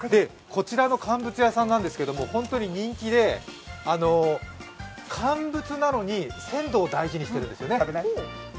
こちらの乾物屋さんなんですけれども、本当に人気で乾物なのに先祖を大事にしているんですよね。